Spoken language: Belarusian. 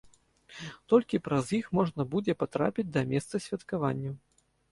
Толькі праз іх можна будзе патрапіць да месца святкаванняў.